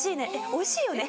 「おいしいよね」